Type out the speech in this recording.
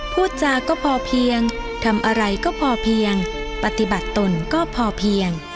พูดจาก็พอเพียงทำอะไรก็พอเพียงปฏิบัติตนก็พอเพียง